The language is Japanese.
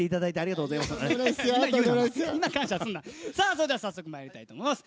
それでは早速まいりたいと思います。